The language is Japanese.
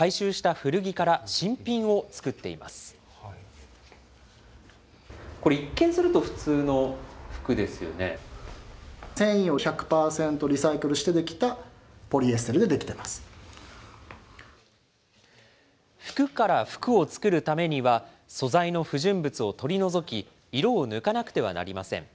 服から服を作るためには、素材の不純物を取り除き、色を抜かなくてはなりません。